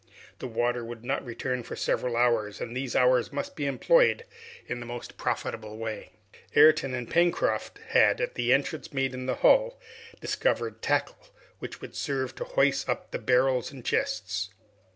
The water would not return for several hours, and these hours must be employed in the most profitable way. Ayrton and Pencroft had, at the entrance made in the hull, discovered tackle, which would serve to hoist up the barrels and chests.